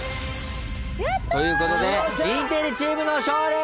ということでインテリチームの勝利！